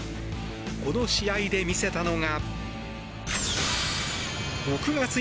この試合で見せたのが。